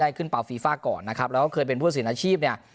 ขึ้นเปล่าฟีฟ่าก่อนนะครับแล้วก็เคยเป็นผู้สินอาชีพเนี่ย